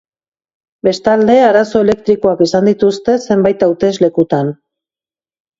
Bestalde, arazo elektrikoak izan dituzte zenbait hauteslekutan.